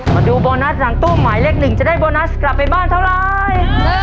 มาดูโบนัสหลังตู้หมายเลขหนึ่งจะได้โบนัสกลับไปบ้านเท่าไร